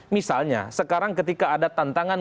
misalnya sekarang ketika ada tantangan